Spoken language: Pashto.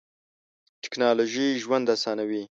ټیکنالوژی ژوند اسانوی.